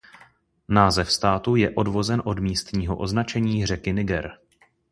Název státu je odvozen od místního označení řeky Niger.